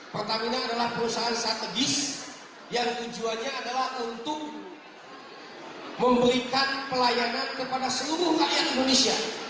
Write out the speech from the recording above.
pertamina adalah perusahaan strategis yang tujuannya adalah untuk memberikan pelayanan kepada seluruh rakyat indonesia